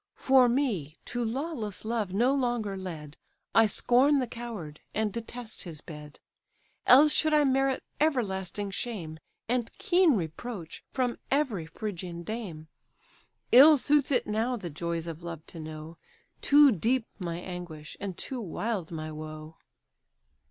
For me, to lawless love no longer led, I scorn the coward, and detest his bed; Else should I merit everlasting shame, And keen reproach, from every Phrygian dame: Ill suits it now the joys of love to know, Too deep my anguish, and too wild my woe."